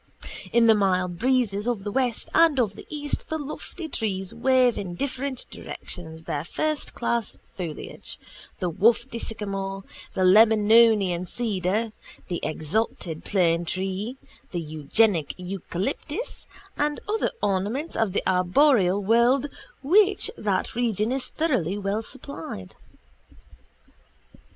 In the mild breezes of the west and of the east the lofty trees wave in different directions their firstclass foliage, the wafty sycamore, the Lebanonian cedar, the exalted planetree, the eugenic eucalyptus and other ornaments of the arboreal world with which that region is thoroughly well supplied.